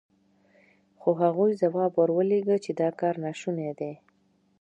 خو هغوی ځواب ور ولېږه چې دا کار ناشونی دی.